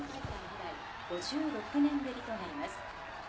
５６年ぶりとなります。